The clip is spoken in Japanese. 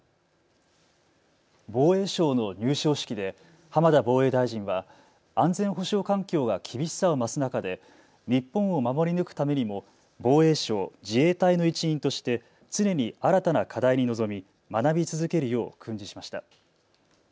防衛省の入省式で浜田防衛大臣は安全保障環境が厳しさを増す中で日本を守り抜くためにも防衛省・自衛隊の一員として常に新たな課題に臨み学び続けるよう訓示しました。